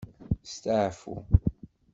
Staɛfu